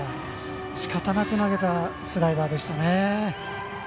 仕方なく投げたスライダーでしたね。